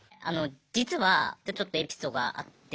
実はちょっとエピソードがあって。